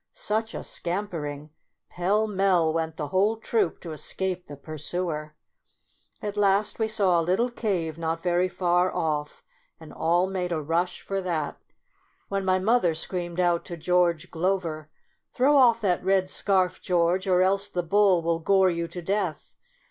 Such a scampering ! Pell mell went the whole troop to escape the pur suer. At last we saw T a little cave not very far off, and all made a rush for that, 30 MEMOIRS OF A when my mother screamed out to George Glover, " Throw off that red scarf, George, or else the bull will gore you to death.